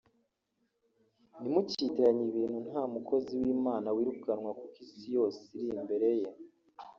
"Ntimukitiranye ibintu nta mukozi w'Imana wirukanwa kuko isi yose iri imbere ye